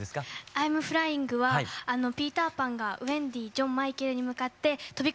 「アイム・フライング」はピーター・パンがウェンディジョンマイケルに向かって飛び